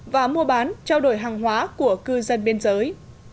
và mua bán trao đổi hàng hóa của cư dân biên giới